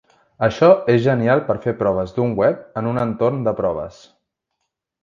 Això és genial per fer proves d'un web en un entorn de proves.